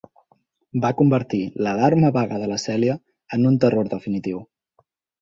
Va convertir l'alarma vaga de la Celia en un terror definitiu.